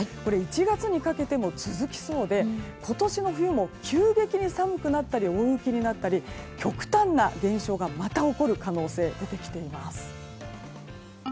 １月にかけても続きそうで今年の冬も急激に寒くなったり大雪になったり極端な現象がまた起こる可能性出てきています。